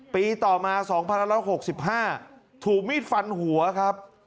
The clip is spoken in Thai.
ปีต่อมา๒๑๖๕ถูกมีดฟันหัวครับ